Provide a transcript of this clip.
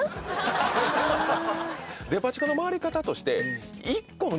デパ地下の回り方として。